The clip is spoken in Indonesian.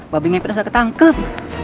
babi ngepet sudah tertangkap